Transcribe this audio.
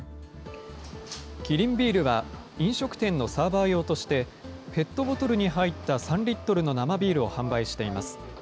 キリンビールは、飲食店のサーバー用として、ペットボトルに入った３リットルの生ビールを販売しています。